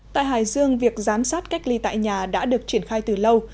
tại hải dương việc giám sát cách ly tại nhà đã được triển khai từ lâu